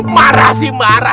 marah sih marah